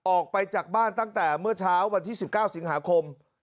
ออกไปจากบ้านตั้งแต่เมื่อเช้าวันที่๑๙สิงหาคม